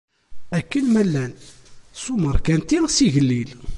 Akken ma llan, s umerkanti, s yigellil!